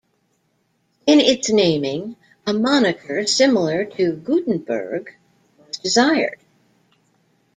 In its naming, a moniker similar to "Gutenberg" was desired.